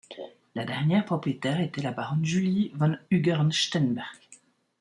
La dernière propriétaire était la baronne Julie von Ungern-Sternberg.